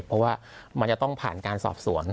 เพราะว่ามันจะต้องผ่านการสอบสวน